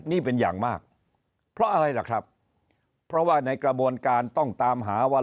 นี่เป็นอย่างมากเพราะอะไรล่ะครับเพราะว่าในกระบวนการต้องตามหาว่า